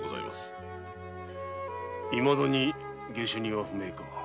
いまだに下手人は不明か？